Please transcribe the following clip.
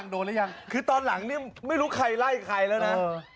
หรือยังคือตอนหลังนี่ไม่รู้ใครไล่ใครแล้วนะ